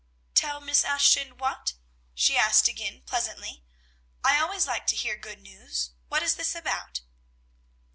"Tell Miss Ashton what?" she asked again pleasantly; "I always like to hear good news. What is this about?"